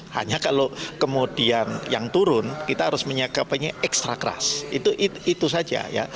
hanya kalau kemudian yang turun kita harus menyikapinya ekstra keras itu saja ya